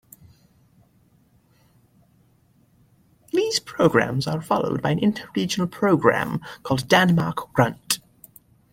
These programs are followed by an inter-regional program called Danmark Rundt.